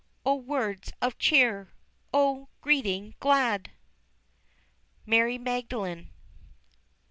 O, words of cheer! O, greeting, glad! MARY MAGDALENE.